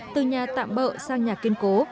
từ nhà tạm bợ sang nhà kiên cố